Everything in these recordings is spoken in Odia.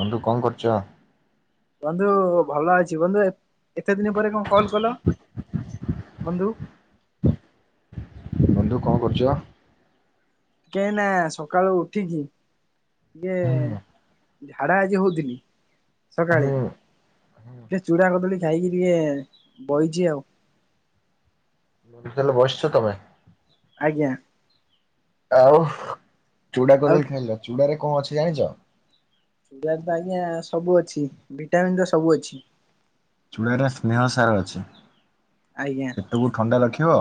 ମନ୍ଦୁ କଣ କରୁଚ। ବନ୍ଧୁ ଭଲ ଅଛି ବନ୍ଧୁ ଏତେ ଦିନ ପରେ କଣ କଲ୍ କଲ। ବନ୍ଧୁ। ବନ୍ଧୁ କଣ କରୁଚ। କେନା ସକାଳୁ ଉଠିକି ଟିକେ ହୁଁ ଝାଡା ଆଜି ହଉଥିଲି ସକାଳେ। ହୁଁ ଟିକେ ଚୁଡ଼ା କଦଳୀ ଖାଇକି ଟିକେ ବଇଚି ଆଉ। ତାହେଲେ ବସିଚ ତମେ। ଆଜ୍ଞା। ଆଉ ଚୁଡା ଆଉ କଦଳୀ ଖାଇଲ ଚୁଡାରେ କଣ ଅଛି ଜାଣିଛ? ଚୁଡାରେ ତ ଆଜ୍ଞା ସବୁ ଅଛି ଭିଟାମିିନ ତ ସବୁ ଅଛି। ଚୂଡ଼ାରେ ସ୍ନେହ ସାର ଅଛି। ଆଜ୍ଞା ପେଟକୁ ଥଣ୍ଡା ରଖିବ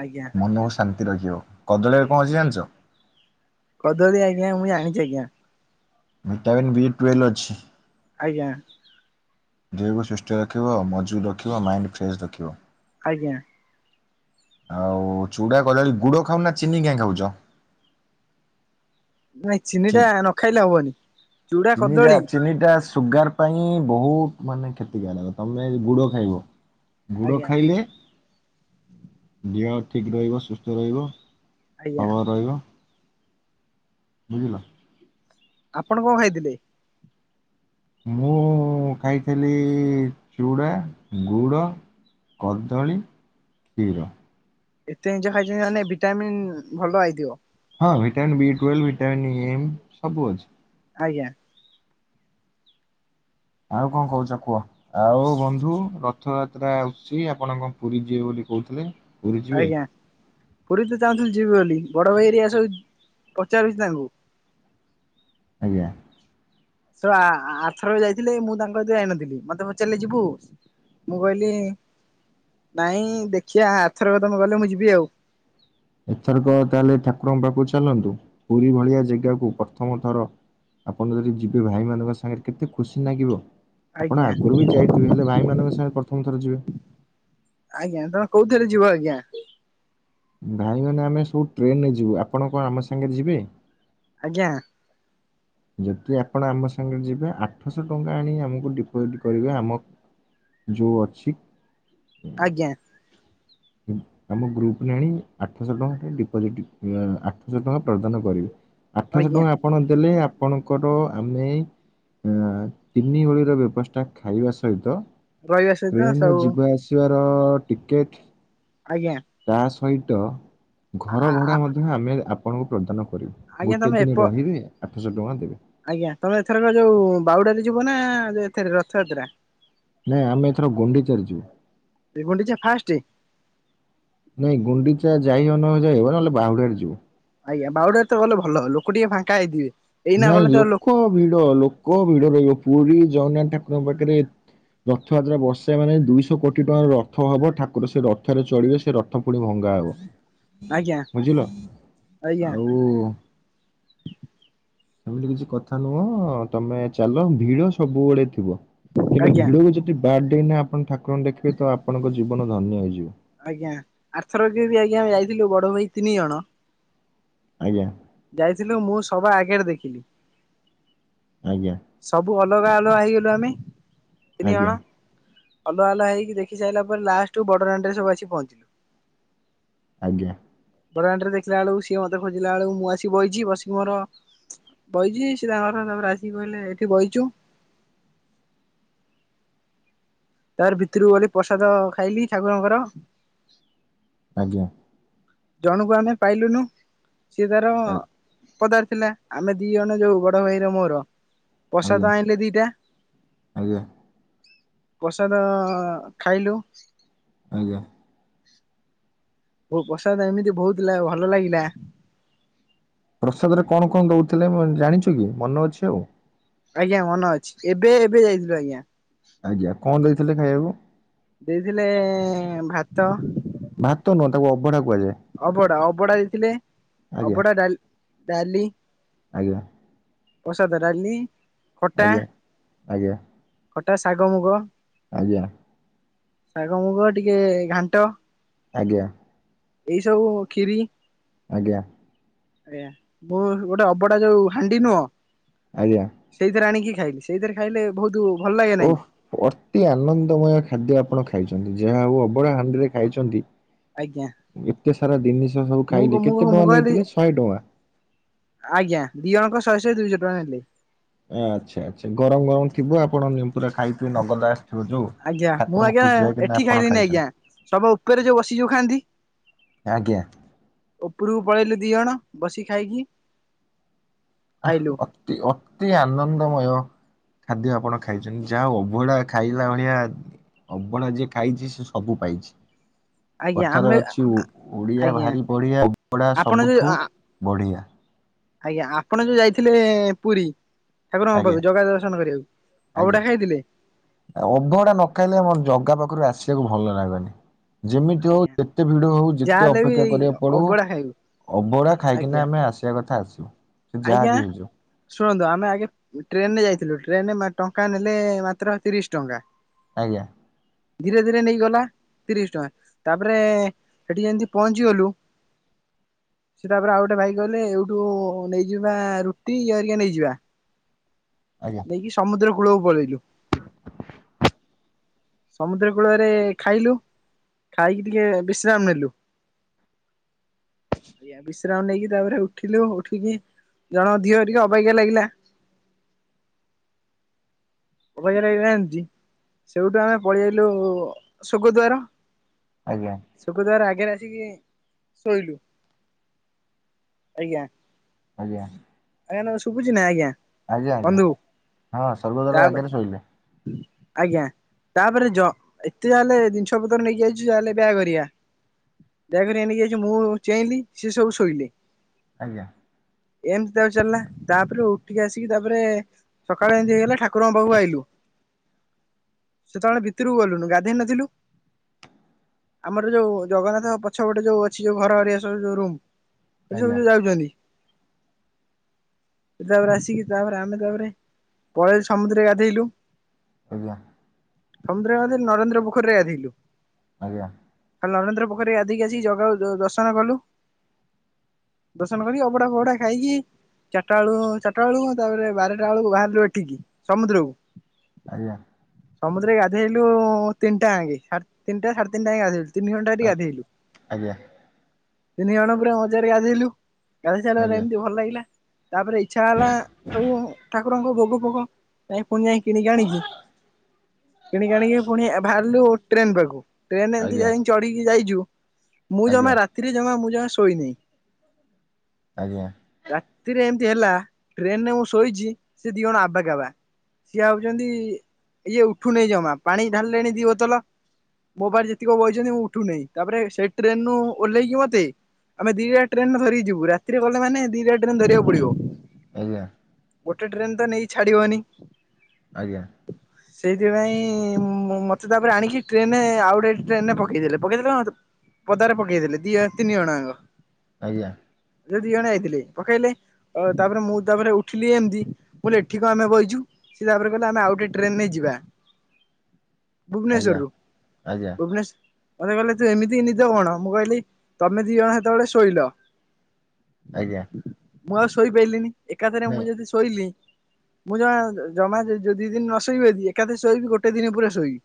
ଆଜ୍ଞା ମନକୁ ଶାନ୍ତି ରଖିବ। କଦଳୀରେ ଆଜ୍ଞା କଣ ଅଛି ଜାଣିଚ? କଦଳୀ ଆଜ୍ଞା ମୁଁ ଜାଣିଚି ଆଜ୍ଞା। ଭିଟାମିନ୍ ଭି ଟୁଏଲ ଅଛି। ଆଜ୍ଞା ଦେହକୁ ସୁସ୍ଥ ରଖିବ ମଜବୁତ ରଖିବ ମାଇଣ୍ଡ ଫ୍ରେଶ୍ ରଖିବ। ଆଜ୍ଞା ଆଉ ଚୁଡା କଦଳି ଗୁଡ ଖାଉନା ଚିନି କାହିଁ ଖାଉଛ ନାଇଁ ଚିନି ଟା ନ ଖାଇଲେ ହବନି ଚୁଡା କଦଳୀ ଚିନି ଟା ସ ସୁଗାର ପାଇଁ ବହୁତ ମାନେ କ୍ଷତିକାରକ ତୁମେ ଗୁଡ଼ ଖାଇବ। ଗୁଡ଼ ଆଜ୍ଞା ଖାଇଲେ ଦେହ ଠିକ ରହିବ ସୁସ୍ଥ ରହିବ। ଆଜ୍ଞା ସବଳ ରହିବ। ବୁଝିଲ। ଆପଣ କଣ ଖାଇଥିଲେ? ମୁଁ ଖାଇଥିଲି ଚୁଡ଼ା ଗୁଡ଼ କଦଳୀ କ୍ଷୀର। ଏତେ ଜିନିଚ ଖାଇଛନ୍ତି ମାନେ ଭିଟାମିନ ଭଲ ଆଇଥିବ। ହଁ vitamin B twelve vitamin E M ସବୁ ଅଛି। ଆଜ୍ଞା ଆଉ କଣ କହୁଛ କୁହ? ଆଉ ବନ୍ଧୁ ରଥଯାତ୍ରା ଆସୁଚି ଆପଣଙ୍କଣ ପୁରୀ ଯିବେ ବୋଲି କହୁଥିଲେ ପୁରୀ ଯିବେ ଆଜ୍ଞା ପୁରୀ ତ ଚାହୁଁଥିଲି ଯିବି ବୋଲି ବଡ ଭାଇ ହେରିଆ ସବୁ ପଚାରୁଛି ତାଙ୍କୁ ଆଜ୍ଞା ସ ଆ ଆଥରକ ଯାଇଥିଲେ ମୁଁ ତାଙ୍କ ଏତ ଯାଇନଥିଲି ମତେ ପଚାରିଲେ ଯିବୁ ମୁଁ କହିଲି ନାଇଁ ଦେଖିବା ଆଥରକ ତମ କଲେ ମୁଁ ଯିବି ଆଉ। ଏଥରକ ତାହେଲେ ଠାକୁରଙ୍କ ପାଖକୁ ଚାଲନ୍ତୁ ପୁରୀ ଭଳିଆ ଜେଗାକୁ ପ୍ରଥମ ଥର ଆପଣ ଯଦି ଯିବେ ଭାଇମାନଙ୍କ ସାଙ୍ଗରେ କେତେ ଖୁସି ଲାଗିବ ଆପଣ ଆଜ୍ଞା ଆଗରୁ ବି ଯାଇଥିବେ ହେଲେ ଭାଇ ମାନଙ୍କ ସାଙ୍ଗେ ପ୍ରଥମ ଥର ଯିବେ ଆଜ୍ଞା ତମେ କୋଉଥିରେ ଯିବ ଆଜ୍ଞା ଭାଇ ମାନେ ଆମେ ସବୁ ଟ୍ରେନରେ ଯିବୁ ଆପଣ କଣ ଆମ ସାଙ୍ଗରେ ଯିବେ? ଆଜ୍ଞା ଯଦି ଆପଣ ଆମ ସାଙ୍ଗରେ ଯିବେ ଆଠଶହ ଟଙ୍କା ଆଣି ଆମକୁ ଡିପୋଜିଟ୍ କରିବେ ଆମ ଯୋଉ ଅଛି। ଆଜ୍ଞା ହୁଁ ଆମ ଗ୍ରୁପ ନେ ଆଣି ଆଠଶହ ଟଙ୍କା ଡିପୋଜିଟ୍ ଆଁ ଆଠଶହ ଟଙ୍କା ପ୍ରଦାନ କରିବେ। ଆଠଶହ ଆଜ୍ଞା ଟଙ୍କା ଆପଣ ଦେଲେ ଆ ଆପଣଙ୍କର ଆମେ ତିନି ଓଳିର ବ୍ୟବସ୍ଥା ଖାଇବା ସହିତ ରହିବା ସହିତ ଟ୍ରେନର ସବୁ ଯିବା ଆସିବାର ଟିକେଟ ଆଜ୍ଞା ତା ସହିତ ଘର ଆ ଭଡ଼ା ମଧ୍ୟ ଆମେ ଆପଣଙ୍କୁ ପ୍ରଦାନ କରିବୁ। ଆଜ୍ଞା ଗୋଟେ ତମେ ଏପ ଦିନ ରହିବେ ଆଠଶହ ଟଙ୍କା ଦେବେ। ଆଜ୍ଞା ତମେ ଏଥର ଯୋଉ ବାଉଡାରେ ଯିବ ନା ଏଥରେ ରଥଯାତ୍ରା? ନାଇଁ ଆମେ ଏଥର ଗୁଣ୍ଡିଚା ରେ ଯିବୁ। ଗୁଣ୍ଡିଚା ଫାଷ୍ଟ ନାଇଁ ଗୁଣ୍ଡିଚା ଯାଇହ ନ ଯାଇ ହେବ ନହେଲେ ବାହୁଡ଼ାରେ ଯିବୁ। ଆଜ୍ଞା ବାଉଡାରେ ତ ଗଲେ ଭଲ ଲୋକ ଟିକେ ଫାଙ୍କା ହେଇଥିବେ। ଏଇନା ଗଲେ ନାଇଁ ତ ଲୋକ ଭିଡ ଲୋକ ଭିଡ ରହିବ ପୁରୀ ଜଗନ୍ନାଥ ଠାକୁରଙ୍କ ପାଖରେ ଏ ରଥଯାତ୍ରା ବର୍ଷେ ମାନେ ଦୁଇଶହ କୋଟି ଟଙ୍କାର ରଥ ହବ ଠାକୁର ସେ ରଥରେ ଚଳିବେ ସେ ରଥ ଥ ପୁଣି ଭଙ୍ଗା ହବ ଆଜ୍ଞା ବୁଝିଲ ଆଜ୍ଞା ଆଉ ସେମିତି କିଛି କଥା ନୁହଁ ତମେ ଚାଲ ଭିଡ ସବୁବେଳେ ଥିବ କିନ୍ତୁ ଆଜ୍ଞା ଭିଡକୁ ଜ ଯଦି ବ୍ୟାଡ ଡେ ନା ଆପଣ ଠାକୁରଙ୍କୁ ଦେଖିବେ ତ ଆପଣଙ୍କ ଜୀବନ ଧନ୍ୟ ହେଇଯିବ। ଆଜ୍ଞା ଆର୍ଥରବି ଆଜ୍ଞା ଆମେ ଯାଇଥିଲୁ ବଡ ଭାଇ ତିନି ଜଣ। ଆଜ୍ଞା। ଯାଇଥିଲୁ ମୁଁ ସବା ଆଗରେ ଦେଖିଲି। ଆଜ୍ଞା। ସବୁ ଅଲଗା ଅଲଗା ହେଇଗଲୁ ଆମେ, ତିନି ଆଜ୍ଞା ଜଣ। ଅଲଗା ଅଲଗା ହେଇକି ଦେଖି ସାରିଲା ପରେ ଲାଷ୍ଟକୁ ବଡ଼ଦାଣ୍ଡରେ ଆସିକି ପହଞ୍ଚିଲୁ। ଆଜ୍ଞା। ବଡ଼ଦାଣ୍ଡ ରେ ଦେଖିଲା ବେଳକୁ ସିଏ ମତେ ଖୋଜିଲା ବେଳକୁ ମୁଁ ଆସି ବଇଛି ବସିକି ମୋର ବଇଛି ସିଏ ତାଙ୍କର ତାପରେ ଆସିକି କହିଲେ ଏଠି ବଇଛୁ। ତାପରେ ଭିତରକୁ ଗଲି ପ୍ରସାଦ ଖାଇଲି ଠାକୁରଙ୍କର। ଆଜ୍ଞା। ଜଣକୁ ଆମେ ପାଇଲୁନୁ ସିଏ ତାର ପଦାରେ ଥିଲା। ଆମେ ଦି ଜଣ ଯୋଉ ବଡ ଭାଇର ମୋର ଆଜ୍ଞା ପ୍ରସାଦ ଆଣିଲେ ଦିଟା। ଆଜ୍ଞା ପ୍ରସାଦ ଖାଇଲୁ। ଆଜ୍ଞା। ହୋ ପ୍ରସାଦ ଏମିତି ବହୁଥିଲା ଭଲ ଲାଗିଲା। ପ୍ରସାଦ ରେ କଣ କଣ ଦଉଥିଲେ ମ ଜାଣିଛୁ କି ମନେ ଅଛି ଆଉ? ଆଜ୍ଞା ମନ ଅଛି, ଏବେ ଏବେ ଯାଇଥିଲୁ ଆଜ୍ଞା। ଆଜ୍ଞା କଣ ଦେଇଥିଲେ ଖାଇବାକୁ? ଦେଇଥିଲେ ଭାତ। ଭାତ ନୁହଁ ତାକୁ ଅବଢା କୁହାଯାଏ। ଅବଡା ଅବଡା ଦେଇଥିଲେ ଆଜ୍ଞା ଅବଡା ଡା-ଡାଲି। ଆଜ୍ଞା। ପ୍ରସାଦ ଡାଲି, ଖଟା, ଆଜ୍ଞା ଆଜ୍ଞା ଖଟା, ଶାଗ ମୁଗ। ଆଜ୍ଞା। ଶାଗ ମୁଗ ଟିକେ ଘାଣ୍ଟ। ଆଜ୍ଞା। ଏଇ ସବୁ ଖିରି ଆଜ୍ଞା। ଆଜ୍ଞା ମୁଁ ଗୋଟେ ଅବଡା ଯୋଉ ହାଣ୍ଡି ନୁହଁ ଆଜ୍ଞା। ସେଇଥିରେ ଆଣିକି ଖାଇଲି, ସେଇଥିରେ ଖାଇଲେ ବହୁତ ଭଲ ଲାଗେ ନା କି? ଓଃ ଅତି ଆନନ୍ଦମୟ ଖାଦ୍ୟ ଆପଣ ଖାଇଛନ୍ତି, ଯାହା ହଉ ଅବଢା ହାଣ୍ଡିରେ ଖାଇଛନ୍ତି। ଆଜ୍ଞା ଏତେ ସାରା ଜିନିଷ ସବୁ ମୁଁ ଖାଇଲେ, କେତେ ମୁଁ ମୁଁ ଟଙ୍କା କହିଲି ନେଇଥିଲେ ଶହେ ଟଙ୍କା? ଆଜ୍ଞା ଦି ଜଣଙ୍କର ଶହ ଶହେ ଦୁଇଶହ ଟଙ୍କା ନେଲେ। ଆଛା ଆଛା ଗରମ ଗରମ ଥିବ ଆପଣ ନିମ୍ ପୁରା ଖାଇ ଥିବେ ନଗଦ ଆସଥିବ ଯୋଉ। ଆଜ୍ଞା ମୁଁ ଠାକୁରଙ୍କ ଆଜ୍ଞା ପୂଜା ହେଇକିନା ଏଠି ଆପଣ ଖାଇଲିିନି ଆଜ୍ଞା, ଖାଇଛନ୍ତି ସବୁ ଉପରେ ଯୋଉ ବସିକି ସବୁ ଖାଆନ୍ତି? ଆଜ୍ଞା। ଉପରକୁ ପଳେଇଲୁ ଦି ଜଣ ବସି ଖାଇକି ଆହ୍ ଆଇଲୁ। ଅତି ଅତି ଆନନ୍ଦମୟ ଖାଦ୍ୟ ଆପଣ ଖାଇଛନ୍ତି, ଯାହା ହଉ ଅବଢା ଖାଇଲା ଭଳିଆ ଅବଢା ଯିଏ ଖାଇଛି ସେ ସବୁ ପାଇଛି। ଆଜ୍ଞା କଥାରେ ଆମେ ଅଛି ଓ-ଓଡିଆ ଆଜ୍ଞା ଭାରି ବଢିଆ, ଅବଢ଼ା ଆପଣ ଯୋଉ ଆ ସବୁଠୁ ବଢିଆ। ଆଜ୍ଞା ଆପଣ ଯୋଉ ଯାଇଥିଲେ ପୁରୀ। ଠାକୁରଙ୍କ ଆଜ୍ଞା ପାଖକୁ ଜଗା ଦର୍ଶନ କରିବାକୁ, ଅବଢ଼ା ଖାଇଥିଲେ? ଅବଢ଼ା ନଖାଇଲେ ଆମର ଜଗା ପାଖରୁ ଆସିବାକୁ ଭଲ ଲାଗେନି। ଯେମିତି ହଉ ଆଜ୍ଞା ଯେତେ ଭିଡ ହଉ ଯେତେ ଯାହାହେଲେ ବି ଅପେକ୍ଷା କରିବାକୁ ପଡୁ ଅବଢା ଖାଇବୁ ଅବଢା ଆଜ୍ଞା ଖାଇକିନା ଆମେ ଆସିବା କଥା ଆସିବୁ। ସେ ଯାହା ଆଜ୍ଞା? ବି ହେଇଯାଉ ଶୁଣନ୍ତୁ ଆମେ ଆଗେ ଟ୍ରେନରେ ଯାଇଥିଲୁ, ଟ୍ରେନରେ ଟଙ୍କା ନେଲେ ମାତ୍ର ତିରିଶ ଟଙ୍କା। ଆଜ୍ଞା। ଧୀରେ ଧୀରେ ନେଇଗଲା। ତିରିଶ ଟଙ୍କା ତାପରେ ସେଠି ଯେମିତି ପହଞ୍ଚିଗଲୁ। ସେ ତାପରେ ଆଉ ଗୋଟେ ଭାଇ କହିଲେ ଏଇଠୁ ନେଇଯିବା ରୁଟି ଇଏହେରିକା ନେଇଯିବା। ଆଜ୍ଞା ସମୁଦ୍ର କୂଳକୁ ପଳେଇଲୁ। ସମୁଦ୍ର କୂଳରେ ଖାଇଲୁ ଖାଇକି ଟିକେ ବିଶ୍ରାମ ନେଲୁ। ଏଆ ବିଶ୍ରାମ ନେଇକି ତାପରେ ଉଠିଲୁ ଉଠିକି ଜଣଙ୍କ ଦିହ ଟିକେ ଅବାଗିଆ ଲାଗିଲା। ଅବାଗିଆ ଲାଗିଲା ଯେମିତି ସେଇଠୁ ଆମେ ପଳେଇଆଇଲୁ ସୋଗଦ୍ୱାର। ଆଜ୍ଞା। ସୋକଦ୍ୱାର ଆଗରେ ଆସିକି ଶୋଇଲୁ ଆଜ୍ଞା। ଆଜ୍ଞା। ଆଜ୍ଞା ନା ଶୁଭୁଚି ନା ଆଜ୍ଞା। ଆଜ୍ଞା ଆଜ୍ଞା ବନ୍ଧୁ ହଁ ସ୍ଵଗଦ୍ୱାର ତାପରେ ଆଗରେ ଶୋଇଲେ। ଆଜ୍ଞା। ତାପରେ ଯ ଏତେ ଯାହାହେଲେ ଜିନିଷ ପତ୍ର ନେଇକି ଆଇଚୁ ଯାହେଲେ ବ୍ୟାଗ ହେରିକା। ବ୍ୟାଗ୍ ହେରିକା ନେଇକି ଆଇଚି ମୁଁ ଚେଇଁଲି ସେ ସବୁ ଶୋଇଲେ। ଆଜ୍ଞା। ଏମିତି ତାପରେ ଚାଲିଲା ତାପରେ ଉଠିକି ଆସିକି ତାପରେ ସକାଳେ ଏମିତି ହେଇଗଲା ଠାକୁରଙ୍କ ପାଖକୁ ଆଇଲୁ। ସେତେବେଳେ ଭିତୁରୁକୁ ଗଲୁନୁ ଗାଧେଇ ନଥିଲୁ। ଆମର ଯୋଉ ଜଗନ୍ନାଥଙ୍କ ପଛପଟେ ଯୋଉ ଅଛି ଯୋଉ ଘର ହରିଆ ସବୁ ଯୋଉ ରୁମ୍ ଏ ଆଜ୍ଞା ସବୁ ଯୋଉ ଯାଉଛନ୍ତି। ତାପରେ ଆସିକି ତାପରେ ଆମେ ତାପରେ ପଳେଇ ସମୁଦ୍ରରେ ଗାଧେଇଲୁ। ଆଜ୍ଞା। ସମୁଦ୍ର ରେ ଗାଧେଇଲୁ ନରେନ୍ଦ୍ର ପୋଖରୀରେ ଗାଧେଇଲୁ। ଆଜ୍ଞା। ନରେନ୍ଦ୍ର ପୋଖରୀ ରେ ଗାଧେଇକି ଆସି ଜଗା କୁ ଦର୍ଶନ କଲୁ। ଦର୍ଶନ କରି ଅଭଡା ଫବଡ ଖାଇକି ଚାରିଟା ବେଳୁ ଚାରଟା ବେଳୁ ତାପରେ ବାରଟା ବେଳକୁ ବାହାରିଲୁ ଏଠିକି ସମୁଦ୍ରକୁ। ଆଜ୍ଞା। ସମୁଦ୍ରରେ ଗାଧୋଇଲୁ ତିନିଟା ଯାଙ୍କେ ସା ତିନିଟା ସାଢେ ତିିନିଟା ଯାଙ୍କେ ଗାଧୋଇଲୁ। ତିନି ଘଣ୍ଟା ଟି ଗାଧେଇଲୁ ଆଜ୍ଞା। ତିନି ଜଣ ପୁରା ମଜାରେ ଗାଧେଇଲୁ। ଗାଧେଇସାରିଲା ପରେ ଆଜ୍ଞା ଏମିତି ଭଲ ଲାଗିଲା ତାପରେ ଇଚ୍ଛା ହେଲା ସବୁ ଠାକୁରଙ୍କୁ ଭୋଗ ଫୋଗ ନାଇଁ ପୁଣି ଯାଇକି କିଣିକି ଆଣିକି ପୁଣି ବାହାରିଲୁ ଟ୍ରେନ ପାଖକୁ ଟ୍ରେନ ଏମିତି ଆଜ୍ଞା ଯାଇ ଚଢିକି ଯାଇଚୁ ମୁଁ ଆଜ୍ଞା ଜମା ରାତିରେ ଜମା ମୁଁ ଜମା ଶୋଇନି। ଆଜ୍ଞା। ରାତିରେ ଏମିତି ହେଲା ଟ୍ରେନରେ ମୁଁ ଶୋଇଚି ସେ ଦିଜଣ ଆବା କାବା। ସିଏ ଭାବୁଛନ୍ତି ଇଏ ଉଠୁନି ଜମା ପାଣି ଢାଲିଲେଣି ଦିବୋତଲ। ମୋ ପାଖରେ ଯେତିକ ବଇଛନ୍ତି ମୁଁ ଉଠୁନାହିଁ ତାପରେ ସେ ଟ୍ରେନରୁୁ ଓହ୍ଲେଇକି ମତେ ଆମେ ଦିଟା ଟ୍ରେନ ଧରିଯିବୁ ରାତିରେ ଗଲେ ମାନେ ଦିଟା ଟ୍ରେନ ଧରିବାକୁ ପଡିବ। ଆଜ୍ଞା। ଗୋଟେ ଟ୍ରେନ ତ ନେଇ ଛାଡିବନି। ଆଜ୍ଞା। ସେଇଥିପାଇଁ ମତେ ତାପରେ ଆଣିକି ଟ୍ରେନରେ ଆଉ ଗୋଟେ ଟ୍ରେନରେ ପକେଇଦେଲେ ପକେଇଦେଲେ କଣ ପଦାରେ ପକେଇଥିଲେ ଦି ତିନି ଜଣ ଆଙ୍କ। ଆଜ୍ଞା। ଯଉ ଦି ଜଣେ ଯାଇଥିଲେ ପକେଇଲେ। ଅ ତାପରେ ମୁଁ ତାପରେ ଉଠିଲି ଏମତି ମୁଁ କହିଲି ଏଠି କଣ ଆମେ ବଇଛୁ। ସିଏ ତାପରେ କହିଲେ ଆମେ ଆଉେ ଗୋଟେ ଟ୍ରେନରେ ଯିବା ଆଜ୍ଞା ଭୁବନେଶ୍ଵରରୁୁ ଆଜ୍ଞା ଭୁବନେଶ୍ ମତେ କହିଲେ ତୁ ଏମିତି ନିଦ କଣ। ମୁଁ କହିଲି ତମେ ଦି ଜଣ ହେତେବେଳେ ଶୋଇଲ। ଆଜ୍ଞା। ମୁଁ ଆଉ ଶୋଇ ପାରିଲିନି ଏକାଥରେ ମୁଁ ନାଇଁ ଯଦି ଶୋଇଲି ମୁଁ ଜମା ଜମା ଯଦି ଦି ଦିନ ନ ଶୋଇବି ଯଦି ଏକାଥରେ ଶୋଇବି ଗୋଟେ ଦିନ ପୁରା ଶୋଇବି।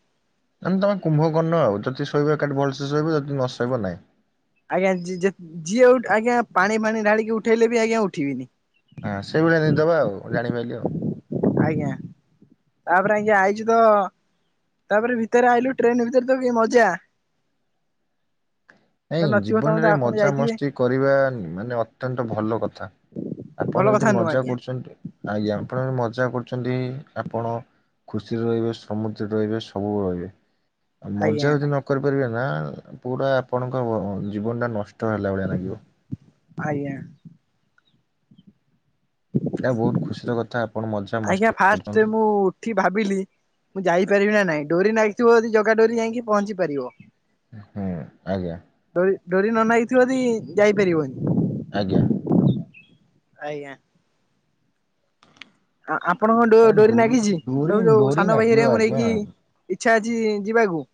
ମାନେ ତମେ କୁମ୍ଭକର୍ଣ୍ଣ ଆଉ ଯଦି ଶୋଇବେ ଏକାଠି ଭଲସେ ଶୋଇବେ ଯଦି ନ ଶୋଇବ ନାହିଁ। ଆଜ୍ଞା ଯି-ଯେ-ଯିଏ ଆଜ୍ଞା ପାଣି ଫାଣି ଢାଳିକି ଉଠେଇଲେ ବି ଆଜ୍ଞା ଉଠିବିନି। ଆଁ ସେଇଭଳିଆ ନିଦ ବା ଆଉ ମୁଁ ଜାଣିପାଇଲି ଆଉ। ଆଜ୍ଞା ତାପରେ ଆଜ୍ଞା ଆଇଚୁ ତ ତାପରେ ଭିତରେ ଆଇଲୁ ଟ୍ରେନ ଭିତରେ ତ କି ମଜା। ତ ନାଇଁ ନଥିବ ତମେ ତ ଜୀବନରେ ଆପଣ ଯାଇଥିବେ ମଜାମସ୍ତି କରିବା ମାନେ ଅତ୍ୟନ୍ତ ଭଲ କଥା। ଭଲ ଆପଣ ଯଦି କଥା ନୁହଁ ମଜା ଆଜ୍ଞା କରୁଚନ୍ତି। ଆଜ୍ଞା ଆପଣ ଯଦି ମଜା କରୁଚନ୍ତି ଆପଣ ଖୁସିରେ ରହିବେ, ସମୃଦ୍ଧିରେ ରହିବେ, ସବୁବେଳେ ରହିବେ। ଆଜ୍ଞା ମଜା ଯଦି ନ କରି ପାରିବେ ନା ପୁରା ଆପଣଙ୍କ ଜୀବନଟା ନଷ୍ଟ ହେଲା ଭଳିଆ ଲାଗିବ। ଆଜ୍ଞା। ଯାହା ହୋଉ ବୋହୁତ ଖୁସିର କଥା ଆପଣ ମଜା ମସ୍ତି କରୁଚନ୍ତି। ଏଠି ଭାବିଲି ମୁଁ ଯାଇପାରିବି ନା ନାଇଁ ଡୋରି ନାଗିଥିବ ଯଦି ଜଗା ଡୋରି ଯାଇକି ପହଞ୍ଚି ପାରିବ। ହୁଁ ଆଜ୍ଞା। ଡୋରି ଡୋରି ନ ନାଗିଥିବ ଯଦି ଯାଇପାରିବନି। ଆଜ୍ଞା। ଆଜ୍ଞା। ଆ-ଆପଣଙ୍କ ଆ ଡୋରି ନାଗିଚି ଡୋରି ତମେ ଯୋଉ ଡୋରି ସାନ ଭାଇ ଲାଗିବ ହେରିକା ଙ୍କୁ ଆଜ୍ଞା ନେଇକି ଇଚ୍ଛା ଅଛି ଯିବାକୁ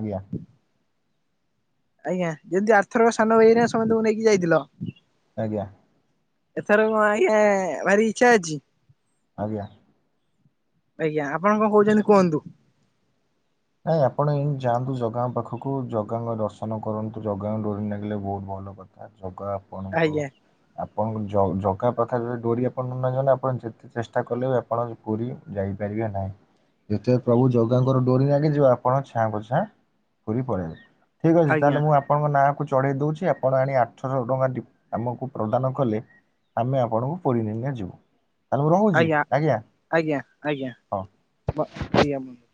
ଆଜ୍ଞା। ଆଜ୍ଞା ଯେମିତି ଆର୍ଥର ସାନ ଭାଇ ହେରିକ ସମସ୍ତୁ କୁ ନେଇକି ଯାଇଥିଲ। ଆଜ୍ଞା। ଏଥର କଣ ଆଜ୍ଞା ଭାରି ଇଚ୍ଛା ଅଛି। ଆଜ୍ଞା। ‌ ଆଜ୍ଞା ଆପଣ କଣ କହୁଚନ୍ତି କୁହନ୍ତୁ। ନାଇଁ ଆପଣ ଏଇ ଯାଆନ୍ତୁ ଜଗାଙ୍କ ପାଖକୁ ଜଗାଙ୍କ ଦର୍ଶନ କରନ୍ତୁ। ଜଗାଙ୍କ ଡୋରି ନାଗିଲେ ବୋହୁତ ଭଲ କଥା। ଆ ଜଗା ଆପଣଙ୍କ ଆଜ୍ଞା ଆପଣଙ୍କୁ ଜଗା ପାଖରେ ଡୋରି ଆପଣ ନଲାଗି ଗଲେ ଆପଣ ଯେ ତେ ଚେଷ୍ଟା କଲେ ବି ଆପଣ ପୁରୀ ଯାଇପାରିବେ ନାହିଁ। ଯେତେବେଳେ ପ୍ରଭୁ ଜଗାଙ୍କର ଡୋରି ନା [unintelligible] ଆପଣ ଛାଆଁ କ ଛାଆଁ ପୁରି ପଳେଇଲେ ଠିକ୍ ଅଛି ଆଜ୍ଞା ତାହେଲେ ମୁଁ ଆପ ଣଙ୍କ ନାଁକୁ ଚଢେଇ ଦୋଉଚି ଆପଣ ଆଣି ଆଠଶହ ଟଙ୍କା ଡିପ ଆମକୁ ପ୍ରଦାନ କଲେ ଆମେ ଆପଣଙ୍କୁ ପୁରି ନେଇକି ନା ଯିବୁ ତାହେଲେ ମୁଁ ରହୁଚି ଆଜ୍ଞା। ଆଜ୍ଞା ଆଜ୍ଞା ହଁ। ବ ଆଜ୍ଞା ବନ୍ଧୁ।